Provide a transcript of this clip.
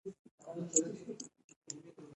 د نثر معنی تیت او شیندل دي.